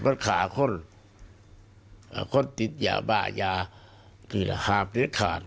มันขาคนคนติดยาบ้ายาคือหาบริขาด